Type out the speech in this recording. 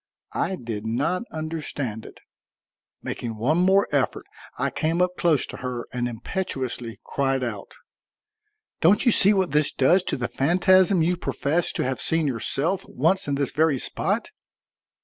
I did not understand it. Making one more effort I came up close to her and impetuously cried out: "Don't you see what this does to the phantasm you professed to have seen yourself once in this very spot?